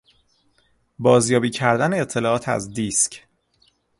بازیابی کردن اطلاعات از دیسک